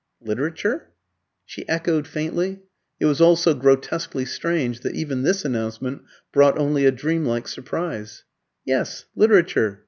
"Literature?" she echoed faintly. It was all so grotesquely strange that even this announcement brought only a dreamlike surprise. "Yes, literature.